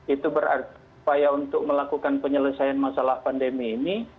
itu berupaya untuk melakukan penyelesaian masalah pandemi ini